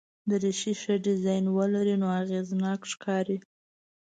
دریشي ښه ډیزاین ولري نو اغېزناک ښکاري.